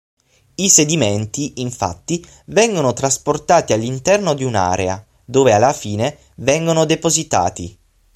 I sedimenti infatti vengono trasportati all'interno di un'area, dove alla fine vengono depositati.